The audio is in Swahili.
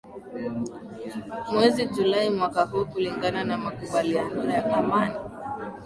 mwezi julai mwaka huu kulingana na makubaliano ya amani